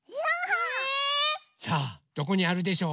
え⁉さあどこにあるでしょう？